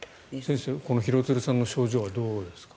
先生、この廣津留さんの症状はどうですか？